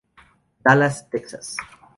Dallas, Texas.